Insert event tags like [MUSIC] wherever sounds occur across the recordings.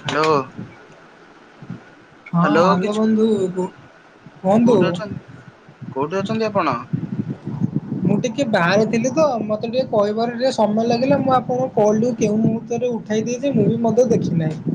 Hello ହଁ hello ବନ୍ଧୁ କୁହନ୍ତୁ। କୋଉଠି ଅଛନ୍ତି କୋଉଠି ଅଛନ୍ତି ଆପଣ? ମୁଁ ଟିକେ ବାହାରିଥିଲି ତ ମୋତେ ଟିକେ କହିବାର ଟିକେ ସମୟ ଲାଗିଲା ମୁଁ ଆପଣଙ୍କୁ କହିଲୁ କେଉଁ ମୁହ ଭିତରେ ଉଠାଇ ଦେଇିଛି ମୁଁ ବି ମଧ୍ୟ ଦେଖିନାହିଁ।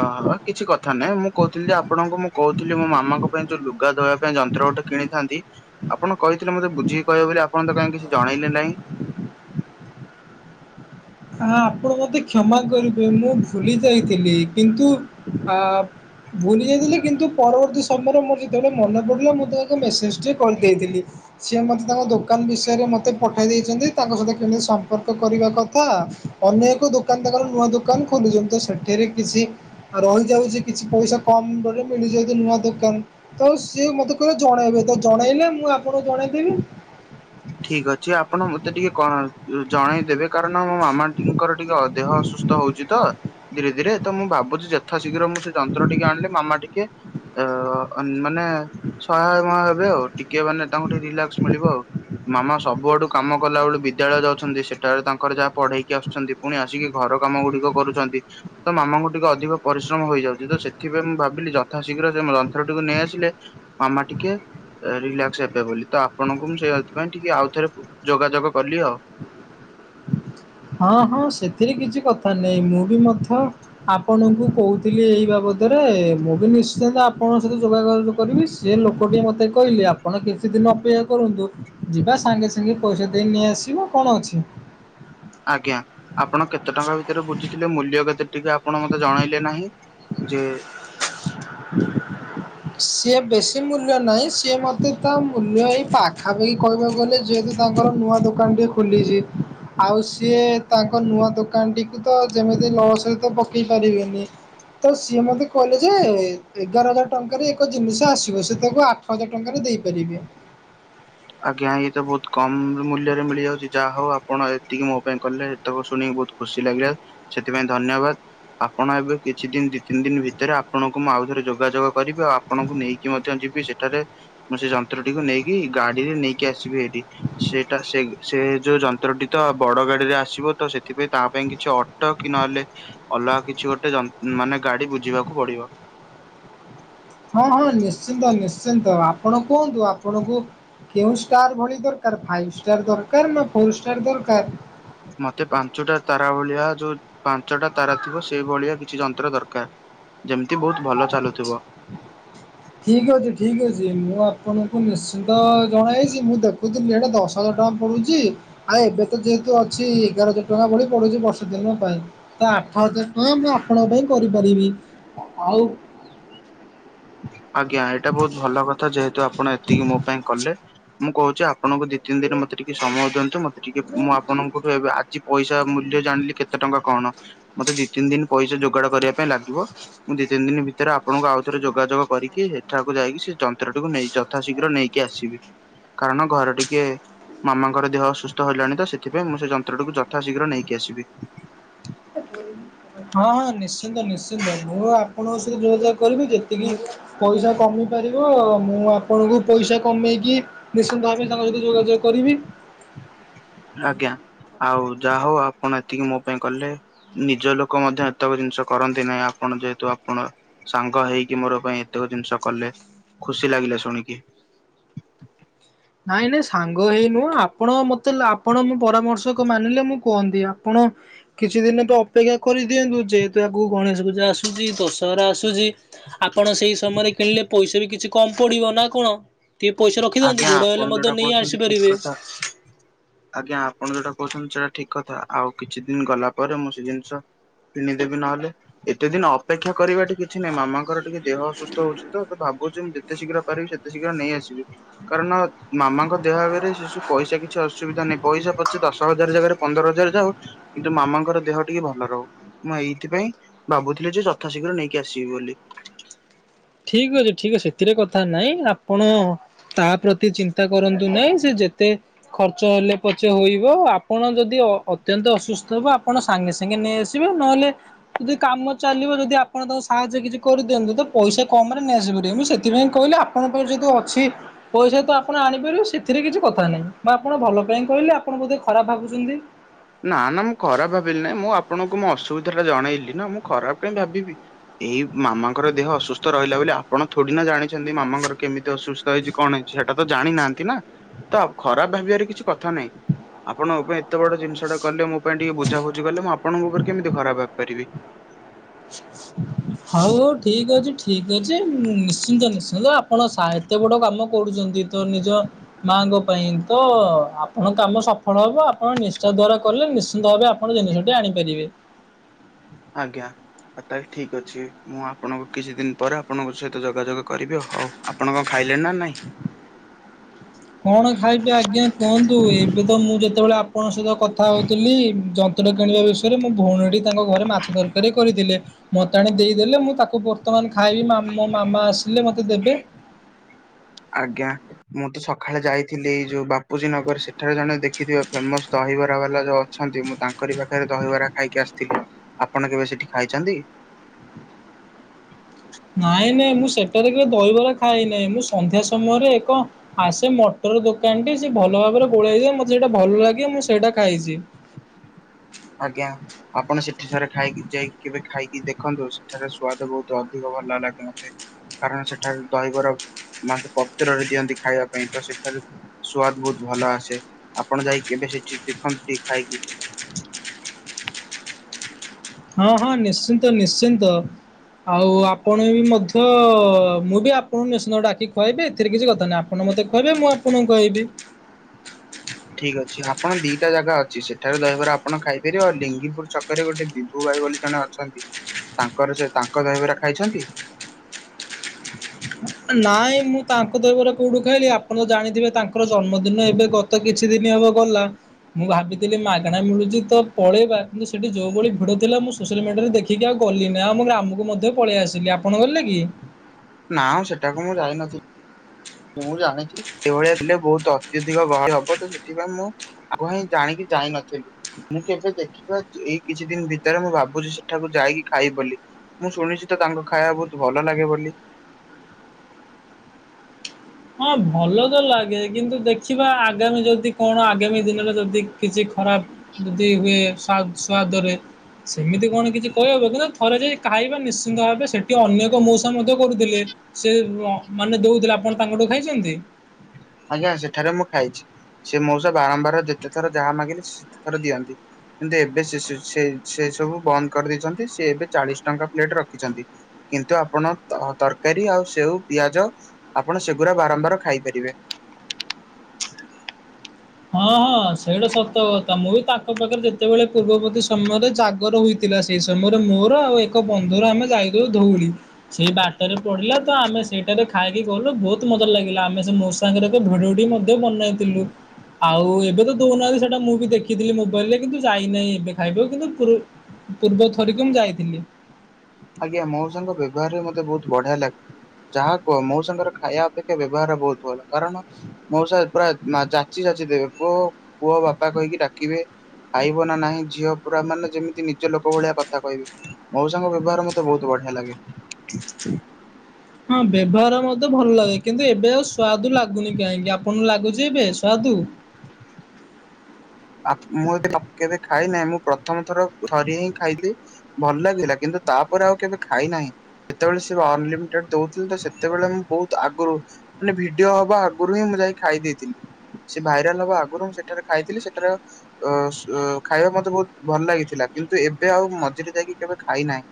ଓହୋ କିଛି କଥା ନାଇଁ ମୁଁ କହୁଥିଲି ଯେ ଆପଣଙ୍କୁ ମୁଁ କହୁଥିଲି ମୋ ମାମାଙ୍କ ପାଇଁ ଯୋଉ ଲୁଗା ଦବା ପାଇଁ ଯନ୍ତ୍ର ଗୋଟା କିଣିଥାନ୍ତି ଆପଣ କହିଥିଲେ ମୋତେ ବୁଝିକି କହିବେ ବୋଲି ଆପଣ ତ କାହିଁ କିଛି ଜଣେଇଲେ ନାହିଁ। ହ ଆପଣ ମତେ କ୍ଷମା କରିବେ ମୁଁ ଭୁଲି ଯାଇଥିଲି କିନ୍ତୁ ଆ ଭୁଲି ଯାଇଥିଲେ କିନ୍ତୁ ପରବର୍ତ୍ତୀ ସମୟରେ ମୋର ଯେତେବେଳେ ମନେ ପଡ଼ିଲା ମୁଁ ତାଙ୍କ ମେସେଜ୍ ଟଏ କରି ଦେଇଥିଲି। ସିଏ ମୋତେ ତାଙ୍କ ଦୋକାନ ବିଷୟରେ ମୋତେ ପଠେଇ ଦେଇଛନ୍ତି ତାଙ୍କ ସହିତ କେମିତି ସମ୍ପର୍କ କରିବା କଥା ଅନ୍ୟ ଏକ ଦୋକାନ ତାଙ୍କର ନୂଆ ଦୋକାନ ଖୋଲୁଚନ୍ତି। ତ ସେଠରେ କିଛି ଆ ରହିଯାଉଚି କିଛି ପଇସା କମ ବୋଲେ ମିଳିଯିବ ଯେ ନୂଆ ଦୋକାନ। ତ ସିଏ ମତେ କହିଲ ଜଣେଇବେ ତ ଜଣେଇଲେ ମୁଁ ଆପଣଙ୍କୁ ଜଣେଇଦେବି। ଠିକ ଅଛି ଆପଣ ମତେ ଟିକେ ଜଣେଇଦେବେ। କାରଣ ମୋ ମାମା ଟି ଙ୍କର ଟିକେ ଦେହ ଅସୁସ୍ଥ ହଉଚି ତ ଧୀରେ ଧୀରେ ତ ମୁଁ ଭାବୁଚି ଜ ଥା ଶୀଘ୍ର ମୁଁ ସେ ଯନ୍ତ୍ର ଟିକି ଆଣିଲେ ମାମା ଟିକେ ଅ ମାନେ ସହାୟମ ହେବେ ଆଉ ଟିକେ ମାନେ ତାଙ୍କୁ ଟିକେ ରିଲାକ୍ସ ମିଳିବ ଆଉ। ମାମା ସବୁଆଡୁ କାମ କଲା ବେଳୁ ବିଦ୍ୟାଳୟ ଯାଉଚନ୍ତି ସେଠାବେଳେ ତାଙ୍କର ଯାହା ପଢେଇକି ଆସୁଚନ୍ତି। ପୁଣି ଆସିକି ଘର କାମ ଗୁଡିକ କରୁଚନ୍ତି। ତ ମାମାଙ୍କୁ ଟିକେ ଅଧିକ ପରିଶ୍ରମ ହୋଇଯାଉଚି। ତ ସେଥିପାଇଁ ମୁଁ ଭାବିଲି ଯଥାଶୀଘ୍ର ସେ ଯନ୍ତ୍ରଟିକୁ ନେଇ ଆସିଲେ ମାମା ଟିକେ ରିଲାକ୍ସ ହେବେ ବୋଲି। ତ ଆପଣଙ୍କୁ ମୁଁ ସେଇ ସେଥିପାଇଁ ଟିକେ ଆଉଥରେ ଯୋଗାଯୋଗ କଲି ଆଉ। ହଁ ହଁ ସେଥିରେ କିଛି କଥା ନାହିଁ ମୁଁ ବି ମଧ୍ୟ ଆପଣଙ୍କୁ କହୁଥିଲି ଏଇ ବାବଦରେ ମୁଁ ବି ନିଶ୍ଚିନ୍ତ ଆପଣଙ୍କ ସହିତ ଯୋଗଯ କରିବି ସେ ଲୋକଟି ମତେ କହିଲେ ଆପଣ କିଛି ଦିନ ଅପେକ୍ଷା କରନ୍ତୁ। ଯିବା ସାଙ୍ଗେ ସାଙ୍ଗେ ପଇସା ଦେଇ ନେଇଆସିବ କଣ ଅଛି। ଆଜ୍ଞା। ଆପଣ କେତେ ଟଙ୍କା ଭିତରେ ବୁଝିଥିଲେ? ମୂଲ୍ୟ କେତେ ଟିକେ ଆପଣ ମତେ ଜଣେଇଲେ ନାହିଁ ଯେ [INAUDIBLE] ସିଏ ବେଶୀ ମୂଲ୍ୟ ନାହିଁ ସିଏ ମତେ ତା ମୂଲ୍ୟ ଏଇ ପାଖାପାଖି କହିବାକୁ ଗଲେ ଯେହେତୁ ତାଙ୍କର ନୂଆ ଦୋକାନ ଟିଏ ଖୋଲିଚି ଆଉ ସିଏ ତାଙ୍କ ନୂଆ ଦୋକାନଟିକୁ ତ ଯେମିତି ଲସରେ ତ ପକେଇ ପାରିବେନି। ତ ସିଏ ମତେ କହଲେ ଯେ ଏଗାର ହଜାର ଟଙ୍କାରେ ଏକ ଜିନିଷ ଆସିବ ସେ ତାକୁ ଆଠ ହଜାର ଟଙ୍କାରେ ଦେଇପାରିବେ। ଆଜ୍ଞା ଏଇ ତ ବହୁତ କମ ମୂଲ୍ୟରେ ମିଳିଯାଉଚି ଯାହା ହଉ ଆପଣ ଏତିକି ମୋ ପାଇଁ କଲେ। ଏତକ ଶୁଣିକି ବହୁତ ଖୁସି ଲାଗିଲା ସେଥିପାଇଁ ଧନ୍ୟବାଦ। ଆପଣ ଏବେ କିଛି ଦିନ ଦି ତିନି ଦିନ ଭିତରେ ଆପଣଙ୍କୁ ମୁଁ ଆଉ ଥରେ ଯୋଗାଯୋଗ କରିବି। ଆଉ ଆ ଆପଣଙ୍କୁ ନେଇକି ମଧ୍ୟ ଯିବି ସେଠାରେ ମୁଁ ସେ ଯନ୍ତ୍ରଟିକୁ ନେଇକି ଗାଡିରେ ନେଇକି ଆସିବି ଏଇଠି। ସେଟା ସେ ସେ ଯୋଉ ଯନ୍ତ୍ରଟି ତ ବଡ ଗାଡିରେ ଆସିବ ତ ସେଥିପାଇଁ ତା ପାଇଁ କିଛି ଅ ଟ କି ନହେଲେ ଅଲଗା କିଛି ଗୋଟେ ଜ ମାନେ ଗାଡି ବୁଝିବାକୁ ପଡିବ। ହଁ ହଁ ନିଶ୍ଚିନ୍ତ ନିଶ୍ଚିନ୍ତ। ଆପଣ କୁହନ୍ତୁ ଆପଣଙ୍କୁ କେଉଁ ଷ୍ଟାର ଭଳି ଦରକାର ଫାଇ ଷ୍ଟାର ଦରକାର ନା ଫୋର ଷ୍ଟାର ଦରକାର? ମତେ ପାଞ୍ଚଟା ତାରା ଭଳିଆ ଯୋଉ ପାଞ୍ଚଟା ତାରା ଥିବ ସେଇ ଭଳିଆ କିଛି ଯନ୍ତ୍ର ଦରକାର ଯେମିତି ବହୁତ ଭଲ ଚାଲୁଥିବ। ହ [INAUDIBLE] ଠିକ୍ ଅଛି ଠିକ୍ ଅଛି ମୁଁ ଆପଣଙ୍କୁ ନିଶ୍ଚିନ୍ତ ଜଣାଇଚି ମୁଁ ଦେଖ କୁଥିଲୁ ସେଟା ଦଶ ହଜାର ଟଙ୍କା ପଡଡୁଚି। ଆ ଏବେ ତ ଯେହେତୁ ଅଛି ଏଗାର ହଜାର ଟଙ୍କା ଭଳି ପଡୁଚି ବର୍ଷ ଦିନ ପାଇଁ। ତ ଆଠ ହଜାର ଟଆଁ ମୁଁ ଆପଣଙ୍କ ପାଇଁ କରିପାରିବି। ଆଉ। ଆଜ୍ଞା ଏଇଟା ବହୁତ ଭଲ କ ଥା ଯେହେତୁ ଆପଣ ଏତିକି ମୋ ପାଇଁ କଲେ। ମୁଁ କହୁଚି ଆପଣଙ୍କୁ ଦି ତିନି ଦିନ ମତେ ଟିକେ ସମୟ ଦିଅନ୍ତୁ ମତେ ଟିକେ ମୁଁ ଆପଣଙ୍କଠୁ ଏବେ ଆଜି ପଇସା ମୂଲ୍ୟ ଜାଣିଲି କେତେ ଟଙ୍କା କଣ। ମତେ ଦି ତିନି ଦିନ ପଇସା ଯୋଗାଡ କରିବା ପାଇଁ ଲାଗିବ ମୁଁ ଦି ତିନି ଦିନ ଭିତରେ ଆପଣଙ୍କୁ ଆଉଥରେ ଯୋଗାଯୋଗ କରିକି ସେଠାକୁ ଯାଇକି ସେ ଯନ୍ତ୍ରଟିକୁ ନେଇ ଯଥାଶୀଘ୍ର ନେଇକି ଆସିବି। କାରଣ ଘର ଟିକେ ମାମାଙ୍କର ଦେହ ଅସୁସ୍ଥ ହେଲାଣି ତ ସେଥିପାଇଁ ମୁଁ ସେ ଯନ୍ତ୍ରଟିକୁ ଯଥାଶୀଘ୍ର ନେଇକି ଆସିବି। ଆଜ୍ [INAUDIBLE] ହଁ ହଁ ନିଶ୍ଚିନ୍ତ ନିଶ୍ଚିନ୍ତ ମୁଁ ଆପଣଙ୍କ ସହିତ ଯୋଗାଯୋଗ କରିବି ଯେତିକି ପଇସା କମି ପାରିବ ମୁଁ ଆପଣଙ୍କୁ ପଇସା କମେଇକି ନିଶ୍ଚିନ୍ତ ଭାବେ ତାଙ୍କ ସହିତ ଯୋଗାଯୋଗ କରିବି। ଆଜ୍ଞା ଆଉ ଯାହା ହଉ ଆପଣ ଏତିକି ମୋ ପାଇଁ କଲେ। ନିଜ ଲୋକ ମଧ୍ୟ ଏତକ ଜିନିଷ କରନ୍ତି ନାହିଁ ଆପଣ ଯେହେତୁ ଆପଣ ସାଙ୍ଗ ହେଇକି ମୋର ପାଇଁ ଏତକ ଜିନିଷ କଲେ ଖୁସି ଲାଗିଲା ଶୁଣିକି। ନାଇଁ ନାଇଁ ସାଙ୍ଗ ହେଇ ନୁହଁ ଆପଣ ମତେ ଆପଣ ମୋ ପରାମର୍ଶ କ ମାନିଲେ ମୁଁ କୁହନ୍ତି ଆପଣ କିଛି ଦିନ ତ ଅପେକ୍ଷା କରିଦିଅନ୍ତୁ ଯେହେତୁ ଆଗକୁ ଗଣେଶ ପୂଜା ଆସୁଚି ଦଶହରା ଆସୁଚି। ଆପଣ ସେଇ ସମୟରେ କିଣିଲେ ପଇସା ବି କିଛି କମ ପଡିବ ନା କଣ ଟିକେ ପଇସା ରଖିଦିଅନ୍ତୁ। ଆଜ୍ଞା ହେଲେ ଆପଣ ମଧ୍ୟ ଯୋଉଟା ନେଇ କହୁଛନ୍ତି ଠିକ ଆସିପାରିବେ। କଥା। ଆଜ୍ଞା ଆପଣ ଯଉଟା କହୁଛନ୍ତି ସେଟା ଠିକ କଥା ଆଉ କିଛି ଦିନ ଗଲା ପରେ ମୁଁ ସେ ଜିନିଷ କିଣିିଦେବି ନହେଲେ। ଏତେ ଦିନ ଅପେକ୍ଷା କରିବା ଟି କିଛି ନାହିଁ ମାମାଙ୍କର ଟିକେ ଦେହ ଅସୁସ୍ଥ ହଉଛି ତ ଭାବୁଛି ମୁଁ ଯେତେ ଶୀଘ୍ର ପାରିବି ସେତେ ଶୀଘ୍ର ନେଇ ଆସିବି। କାରଣ ମାମାଙ୍କ ଦେହଆଗରେ ସେସବୁ ପଇସା କିଛି ଅସୁବିଧା ନାହିଁ ପଇସା ପଛେ ଦଶ ହଜାର ଜାଗାରେ ପନ୍ଦର ହଜାର ଯାଉ କିନ୍ତୁ ମାମାଙ୍କର ଦେହ ଟିକେ ଭଲ ରହୁ। ମୁଁ ଏଇଥିପାଇଁ ଭାବୁଥିଲି ଯେ ଯଥା ଶୀଘ୍ର ନେଇକି ଆସିବି ବୋଲି। ଠିକ ଅଛି ଠିକ ଅଛି ସେଥିରେ କଥା ନାଇଁ ଆପଣ ତା ପ୍ରତି ଚିନ୍ତା କରନ୍ତୁ ନାହିଁ ସେ ଯେ ତେ ଖର୍ଚ୍ଚ ହେଲେ ପଛେ ହୋଇବ ଆପଣ ଯଦି ଅତ୍ୟନ୍ତ ଅସୁସ୍ଥ ହେବ ଆପଣ ସାଙ୍ଗେ ସାଙ୍ଗେ ନେଇ ଆସ ନହେଲେ ଯଦି କାମ ଚାଲିବ ଯଦି ଆପଣ ତାଙ୍କୁ ସାହାଯ୍ୟ କିଛି କରିଦିଅନ୍ତୁ ତ ପଇସା କମ୍ରରେ ନେଇଆସିପା ରିବେ ମୁଁ ସେଥିପାଇଁ କହିଲି ଆପଣଙ୍କ ପାଖେ ଯଦି ଅଛି ପଇସା ତ ଆପଣ ଆଣିପାରିବେ ସେଥିରେ କିଛି କଥା ନାହିଁ ବା ଆପଣ ଭଲ ପାଇଁ କହିଲେ ଆପଣ ବୋଧେ ଖରାପ ଭାବୁଛନ୍ତି। ନା ନା ମୁଁ ଖରାପ ଭାବିଲି ନାହିଁ ମୁଁ ଆପଣଙ୍କୁ ମୁଁ ଅସୁବିଧା ଟା ଜଣେଇଲି ନା ମୁଁ ଖରାପ କାଇଁ ଭାବିବି। ଏଇ ମାମାଙ୍କର ଦେହ ଅସୁସ୍ଥ ରହିଲା ବୋଲି ଆପ ଆପଣ ଥୋଡି ନା ଜାଣିଛନ୍ତି ମାମାଙ୍କର କେମିତି ଅସୁସ୍ଥ ହେଇଛି କଣ ହେଇଛି ସେଟା ତ ଜାଣିନାହାନ୍ତି ନା? ତ ଖରାପ ଭାବିବାରେ କିଛି କଥା ନାଇଁ ଆପଣ ମୋ ପାଇଁ ଏତେ ବଡ ଜି ଷଟା କଲେ ମୋ ପାଇଁ ଟିକେ ବୁଝା ବୁଝି କଲେ ମୁଁ ଆପଣଙ୍କ ଉପରେ କେମିତି ଖରାପ ଭାବି ପାରିବି। ହଉ ଠିକ୍ ଅଛି ଠିକ ଅଛି ନିଶ୍ଚିନ୍ତ ନିଶ୍ଚିନ୍ତ ଆପଣ ସା ଏତେ ବଡ଼ କାମ କରୁଛନ୍ତି ତ ନିଜ ମାଙ୍କ ପାଇଁ ତ ଆପଣଙ୍କ କାମ ସଫଳ ହବ ଆପଣ ନିଶ୍ଚ ଦ୍ଵାର କଲେ ନିଶ୍ଚିନ୍ତ ଭାବେ ଆପ ଆପଣ ଜିନିଷଟି ଆଣିପାରିବେ। ଆଜ୍ଞା। ଆଉ ତାହେଲେ ଠିକ ଅଛି ମୁଁ ଆପଣଙ୍କୁ କିଛି ଦିନ ପରେ ଆପଣଙ୍କ ସହିତ ଯୋଗାଯୋଗ କରିବି ହଉଆପ ଆପଣକଣ ଖାଇଲେଣି ନା ନାଇଁ? କଣ ଖାଇବି ଆଜ୍ଞା କୁହନ୍ତୁ ଏବେ ତ ମୁଁ ଯେତେବେଳେ ଆପଣଙ୍କ ସହିତ କଥା ହଉଥିଲି ଯନ୍ତ ଯନ୍ତ୍ର ଟା କିଣିବା ବିଷୟରେ ମୋ ଭଉଣୀ ଘଠି ତାଙ୍କ ଘରେ ମାଛ ତରକାରୀ କରିଥିଲେ ମତେ ଆଣି ଦେଇଦେଲେ ମୁଁ ତାକୁ ବର୍ତ୍ତମାନ ଖାଇବି ମ ମୋ ମାମା ଆସିଲେ ମତେ ଦେବେ। ଆଜ୍ଞା। ମୁଁ ତ ସକାଳେ ଯାଇଥିଲି ଏଇ ଯୋଉ ବାପୁଜୀ ନଗର ସେଠାରେ ଜଣେ ଦେଖିଥିବେ ଫେମସ ଦହିବରା ବାଲା ଜ ଅଛନ୍ତି ମୁଁ ତାଙ୍କରି ପାଖରେ ଦହିବରା ଖାଇକି ଆସିଥିଲି ଆପଣ କେବେ ସେଠି ଖାଇଛନ୍ତି? ନାଇଁ ନାଇଁ ମୁଁ ସେଠାରେ କେବେ ଦହିବରା ଖାଇ ନାହିଁ। ମୁଁ ସନ୍ଧ୍ୟା ସମୟରେ ଏକ ଆ ସେ ମଟର ଦୋକାନଟି ସିଏ ଭଲ ଭାବରେ ଗୋଳାଇଦିଏ ମୋତେ ସେଇଟା ଭଲ ଲାଗେ ମୁଁ ସେଇଟା ଖାଇଚି। ଆଜ୍ଞା। ଆପଣ ସେଠି ଥରେ ଖାଇକି ଯାଇକି କେବେ ଖାଇକି ଦେଖନ୍ତୁ ସେଠାର ସ୍ଵାଦ ବହୁତ ଅଧିକ ଭଲ ଲାଗେ ମୋତେ। କାରଣ ସେଠାରେ ଦହିବରା ମାନେ ପତ୍ରରେ ଦିଅନ୍ତି ଖାଇବା ପାଇଁ। ତ ସେଠାରେ ସୁଆଦ ବହୁତ୍ ଭଲ ଆସେ। ଆପଣ ଯାଇ କେବେ ସେଠି ଦେଖନ୍ତୁ କେବେ ଖାଇକି। ହଁ ହଁ ନିଶ୍ଚିନ୍ତ ନିଶ୍ଚିନ୍ତ। ଆଉ ଆପଣ ବି ମଧ୍ୟ ମୁଁ ବି ଆପଣଙ୍କୁ ନିଶ୍ଚିନ୍ତ ଡାକି ଖୁଆଇବି ଏଥିରେ କିଛି କଥା ନାହିଁ। ଆ ଆପଣ ମୋତେ ଖୁଆଇବେ ମୁଁ ଆପଣଙ୍କୁ ଖୁଆଇବି। ଠିକ୍ ଅଛି। ଆପଣ ଦିଟା ଜାଗା ଅଛି ସେଠାରେ ଦହିବରା ଆପଣ ଖାଇପାରିବେ। ଆଉ ଲିଙ୍ଗିପୁର ଛ କରେ ଗୋଟେ ବିଭୁ ଭାଇ ବୋଲି ଜଣେ ଅଛନ୍ତି, ତାଙ୍କର ସେ ତାଙ୍କ ଦହିବରା ଖାଇଛନ୍ତି? ନାଇଁ ମୁଁ ତାଙ୍କ ଦହିବରା କୋଉଠି ଖାଇଲି, ଆପଣ ତ ଜାଣିଥିବେ ତାଙ୍କର ଜନ୍ମଦିନ ଏବେ ଗ ତ କିଛି ଦିନ ହବ ଗଲା। ମୁଁ ଭାବିଥିଲି ମାଗଣା ମିଳୁଚି ତ ପଳେଇବା। କିନ୍ତୁ ସେଠି ଯୋଉ ଭଳି ଭିଡ ଥିଲା ମୁଁ ସୋସିଆଲ୍ ମିଡ଼ିଆରେ ଦେଖିକି ଆଉ ଗଲିନି। ଆମ ଗ୍ରାମକୁ ମଧ୍ୟ ପଳେଇ ଆସିଲି। ଆପଣ ଗଲେ କି? ନାଁ ସେଟାକୁ ମୁଁ ଜାଇନଥି ମୁଁ ଜାଣିଥିଲି ସେଇଭଳିଆ ହେଲେ ବହୁତ ଅତ୍ୟଧିକ ଗହଳି ହବ। ତ ସେଥିପାଇଁ ମୁଁ ଆଗୁଆ ହିଁ ଜାଣିକି ମୁଁ ଜାଇ ନଥିଲି। ମୁଁ କେବେ ଦେଖିବା ଏଇ କିଛି ଦିନ ଭିତରେ ମୁଁ ଭାବୁଚି ସେଠାକୁ ଯାଇକି ଖାଇବି ବୋଲି। ମୁଁ ଶୁଣିଚି ତ ତାଙ୍କ ଖାଇବା ବହୁତ ଭଲ ଲାଗେ ବୋଲି। ହଁ ଭଲ ତ ଲାଗେ। କିନ୍ତୁ ଦେଖିବା ଆଗାମୀ ଯଦି କଣ ଆଗାମୀ ଦିନରେ ଯଦି କିଛି ଖରାପ୍ ଯଦି ହୁଏ ସୁଆ ସ୍ୱାଦ ରେ ସେମିତି କଣ କିଛି କହିହବ କି, [UNINTELLIGIBLE] ଥରେ ଯାଇ ଖାଇବା ନିଶ୍ଚିନ୍ତ ଭାବେ। ସେଠି ଅନ୍ୟ ଏକ ମଉସା ମଧ୍ୟ କରୁଥିଲେ। ସେ ମାନେ ଦଉଥିଲେ ଆପଣ ତାଙ୍କଠୁ ଖାଇଛନ୍ତି? ଆଜ୍ଞା ସେଠାରେ ମୁଁ ଖାଇଚି। ସେ ମଉସା ବାରମ୍ବାର ଯେତେ ଥର ଯାହା ମାଗିଲେ ସେତେ ଥର ଦିଅନ୍ତି। କିନ୍ତୁ ଏବେ ସେ ସେ ସବୁ ବନ୍ଦ କରିଦେଇଛନ୍ତି ସେ ଏବେ ଚାଳିଶ ଟଙ୍କା ପ୍ଲେଟ ରଖିଛନ୍ତି। କିନ୍ତୁ ଆପଣ ତ ତରକାରୀ ଆଉ ସେଉ, ପିଆଜ ଆପଣ ସେଗୁରା ବାରମ୍ବାର ଖାଇପାରିବେ। ହଁ ହଁ ସେଇଟା ସତ କଥା। ମୁଁ ବି ତାଙ୍କ ପାଖରେ ଯେତେବେଳେ ପୂର୍ବବର୍ତ୍ତି ସମୟରେ ଜାଗର ହୋଇ ଥିଲା ସେଇ ସମୟରେ ମୋର ଆଉ ଏକ ବନ୍ଧୁ ର ଆମେ ଯାଇଥିଲୁ ଧଉଳି। ସେଇ ବାଟରେ ପଡିଲା ତ ଆମେ ସେଇଟାରେ ଖାଇକି ଗଲୁ ବହୁତ ମଜା ଲାଗିଲା। ଆମେ ସେ ମଉ ସା ଙ୍କର ଭିଡିଓ ଟି ମଧ୍ୟ ବନେଇଥିଲୁ। ଆଉ ଏବେ ତ ଦଉନାହାନ୍ତି ସେଟା ମୁଁ ବି ଦେଖିଥିଲି ମୋବାଇଲ ରେ କିନ୍ତୁ ଯାଇନାହିଁ ଏବେ ଖାଇବାକୁ କିନ୍ତୁ ପୂ ପୂର୍ବ ଥରିକ ମୁଁ ଯାଇଥିଲି। ଆଜ୍ଞା। ମଉସାଙ୍କ ବ୍ୟବହାରରେ ମତେ ବହୁତ ବଢିଆ ଲା ଯାହା କୁହ ମଉସା ଙ୍କର ଖାଇବା ଅପେକ୍ଷା ବ୍ୟବହାର ବହୁତ ଭଲ। କାରଣ ମଉସା ପୁରା ଯାଚି ଯାଚି ଦେବେ। ପୁଅ ପୁଅ ବାପା କହିକି ଡାକିବେ। ଖାଇବ ନା ନାହିଁ ଝିଅ ପୁରା ମାନେ ଯେମିତି ନିଜ ଲୋକ ଭଳିଆ କଥା କହିବେ। ମଉସା ଙ୍କ ବ୍ୟବହାର ମ ମତେ ବହୁତ ବଢିଆ ଲାଗେ। ହଁ ବ୍ୟବହାର ମତେ ଭଲ ଲାଗେ। କିନ୍ତୁ ଏବେ ଆଉ ସ୍ୱାଦୁ ଲାଗୁନି। କାହିଁକି ଆପଣଙ୍କୁ ଲାଗୁଚି ଏବେ ସ୍ୱାଦୁ? [UNINTELLIGIBLE] କେବେ ଖାଇ ନାହିଁ। ମୁଁ ପ୍ରଥମ ଥର ଥରିଏ ହିଁ ଖାଇଲି। ଭଲ ଲାଗିଲା କିନ୍ତୁ ତାପରେ ଆଉ କେବେ ଖାଇନାହିଁ। ଯେତେବେଳେ ସେ ଅନଲିମିଟେଡ୍ ଦଉଥିଲେ ତ ସେତେବେଳେ ମୁଁ ବହୁତ ଆଗରୁ ମାନେ ଭିଡିଓ ହବା ଆଗରୁ ହିଁ ମୁଁ ଯାଇ ଖାଇ ଦେଇଥିଲି। ସେ ଭାଇରାଲ ହବା ଆଗରୁ ମୁଁ ସେଠାରେ ଖାଇଥିଲି। ସେ [UNINTELLIGIBLE] ଅ ଖାଇବା ମତେ ବହୁତ ଭଲ ଲାଗିଥିଲା କିନ୍ତୁ ଏବେ ଆଉ ମଝିରେ ଯାଇକି କେବେ ଖାଇନାହିଁ।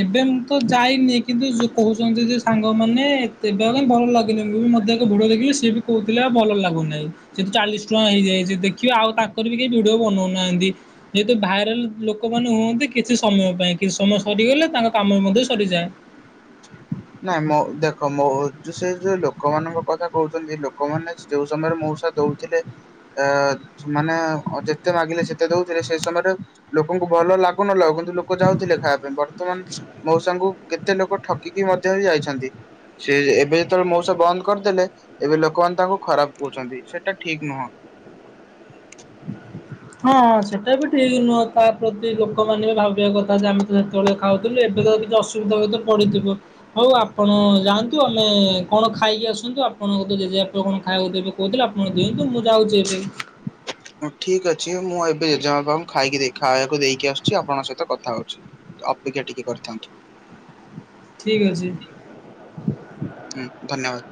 ଏବେ ମୁଁ ତ ଯାଇନି କିନ୍ତୁ ଯୋ କହୁଛନ୍ତି ଯେ ସାଙ୍ଗମାନେ ଏତେ [UNINTELLIGIBLE] ଭଲ ଲାଗିନେଇ ମୁଁ ବି ମଧ୍ୟ ଏକ ଭିଡ଼ିଓ ଦେଖିଲି ସିଏ ବି କହୁଥିଲେ ଆଉ ଭଲ ଲାଗୁନାହି। କିନ୍ତୁ ଚାଳିଶ ଟଙ୍କା ହେଇଯାଏ ଦେଖିବେ ଆଉ ତାଙ୍କର ବି କେହି ଭିଡିଓ ବନଉନାହାନ୍ତି ଯେହେତୁ ଭାଇରାଲ ଲୋକମାନେ ହୁଅନ୍ତି କିଛି ସମୟ ପାଇଁ କିଛି ସମୟ ସରିଗଲେ ତାଙ୍କ କାମ ମଧ୍ୟ ସରିଯାଏ। ନାଇଁ ମୋ ଦେଖ ମୋ ସେ ଯୋଉ ଲୋକମାନଙ୍କ କଥା କହୁଛନ୍ତି ଲୋକମାନେ ଯୋଉ ସମୟରେ ମଉସା ଦଉଥିଲେ ଏ ମାନେ ଯେତେ ମାଗିଲେ ଯେତେ ଦଉଥିଲେ ସେଇ ସମୟରେ ଲୋକଙ୍କୁ ଭଲ ଲାଗୁନ ଲାଗୁ କିନ୍ତୁ ଲୋକ ଯାଉଥିଲେ ଖାଇବା ପାଇଁ ବର୍ତମାନ ମଉସା ଙ୍କୁ କେତେ ଲୋ ଠକିକି ମଧ୍ୟ ଯାଇଛନ୍ତି ସେ ଏବେ ଯେତେବେଳେ ମଉସା ବନ୍ଦ କରିଦେଲେ ଏବେ ଲୋକମାନେ ତାଙ୍କୁ ଖରାପ କହୁଛନ୍ତି ସେଟା ଠିକ ନୁହଁ। ହଁଁ ସେଟା ବି ଠିକ ନୁହଁ ତା ପ୍ରତି ଲୋକମାନେ ବି ଭାବିବା କଥା ଯେ ଆମେ ତ ସେତେବେଳେ ଖାଉଥିଲୁ ଏବେ ତ କିଛି ଅସୁବିଧା ହୁଏ ତ ପଡିଥିବ। ହଉ ଆପଣ ଯାଆନ୍ତୁ ଆମେ କଣ ଖାଇକି ଆସନ୍ତୁ ଆପଣ ଜେଜେବାପା କଣ ଖାଇବାକୁ ଦେବେ କହୁଥିଲେ ଆପଣ ଦିଅନ୍ତୁ ମୁଁ ଯାଉଛି ଏବେ। ହ ଠିକ୍ ଅଛି ମୁଁ ଏବେ ଜେଜବାପା ଙ୍କୁ ଖାଇକିଦେଇକି ଖାଇବାକୁ ଦେଇକି ଆସୁଛି ଆପଣଙ୍କ ସହିତ କଥା ହଉଛି। ଅପେକ୍ଷା ଟିକେ କରିଥାନ୍ତୁ। ଠିକ୍ ଅଛି। ହୁଁ ଧନ୍ୟବାଦ।